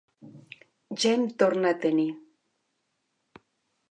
Ja em torna a tenir.